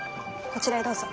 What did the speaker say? こちらへどうぞ。